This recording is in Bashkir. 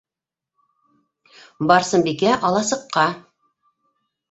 Барсынбикә аласыҡҡа.